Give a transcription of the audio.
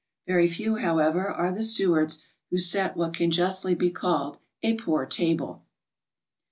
Very few, however, are the stewards who set what can justly be called a poor table.